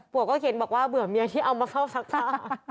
เขียนบอกว่าเบื่อเมียที่เอามาเข้าซักผ้า